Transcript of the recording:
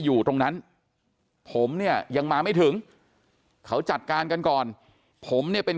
อยู่ตรงนั้นผมเนี่ยยังมาไม่ถึงเขาจัดการกันก่อนผมเนี่ยเป็น